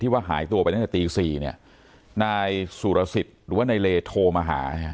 ที่ว่าหายตัวไปตั้งแต่ตีสี่เนี้ยนายสุรสิตหรือว่านายเลโทมาหา